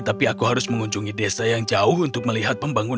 tapi aku harus mengunjungi desa yang jauh untuk melihat pembangunan